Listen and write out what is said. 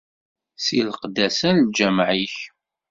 Si leqdasa n lǧameɛ-ik.